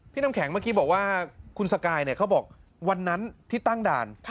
น้ำแข็งเมื่อกี้บอกว่าคุณสกายเขาบอกวันนั้นที่ตั้งด่าน